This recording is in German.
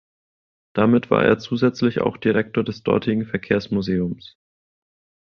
Damit war er zusätzlich auch Direktor des dortigen Verkehrsmuseums.